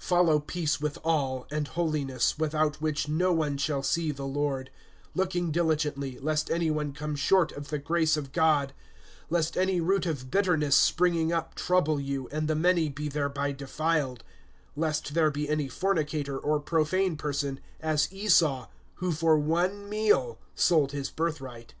(14)Follow peace with all, and holiness, without which no one shall see the Lord; (15)looking diligently, lest any one come short of the grace of God; lest any root of bitterness springing up trouble you, and the many be thereby defiled; (16)lest there be any fornicator, or profane person, as Esau, who for one meal sold his birthright.